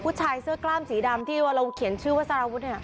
ผู้ชายเสื้อกล้ามสีดำที่เราเขียนชื่อว่าสารวุฒิเนี่ย